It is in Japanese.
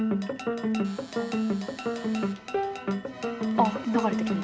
あっ流れてくる。